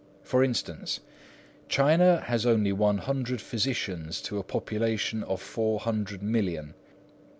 For instance, "China has only one hundred physicians to a population of four hundred millions."